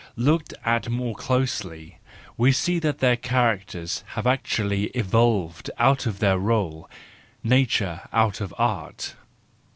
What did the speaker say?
Looked at more closely, we see that their characters have actually evolved out of their role, nature out of art.